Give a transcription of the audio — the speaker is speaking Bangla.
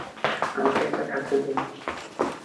আমাকে একা থাকতে দিন।